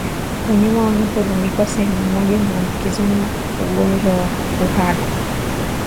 Wanyama wanaporundikwa sehemu moja huambukizana ugonjwa wa kuhara